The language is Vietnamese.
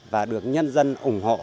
và được nhân dân ủng hộ